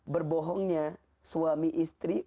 berbohongnya suami istri